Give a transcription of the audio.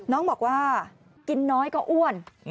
น้องบอกว่ากินน้อยก็อ้วน